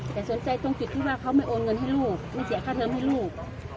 แต่สนใจในด้วยเดียวกูไม่ยอมเงินให้ลูกจะเสียค่าเทรียมให้ลูก